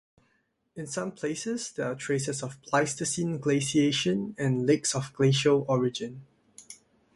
In some places there are traces of Pleistocene glaciation and lakes of glacial origin.